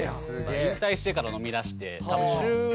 引退してから飲みだして。